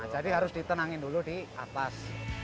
jadi harus ditenangin dulu di atas